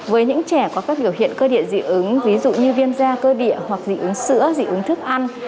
với những trẻ có các biểu hiện cơ địa dị ứng ví dụ như viêm da cơ địa hoặc dị ứng sữa dị ứng thức ăn